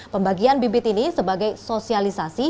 pembagian bibit ini sebagai sosialisasi